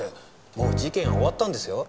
もう事件は終わったんですよ？